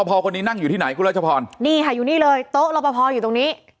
พอคนนี้นั่งอยู่ที่ไหนคุณรัชพรนี่ค่ะอยู่นี่เลยโต๊ะรอปภอยู่ตรงนี้